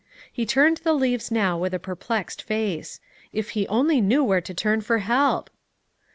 He turned the leaves now with a perplexed face. If he only knew where to turn for help!